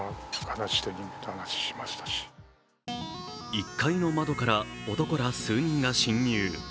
１階の窓から男ら数人が侵入。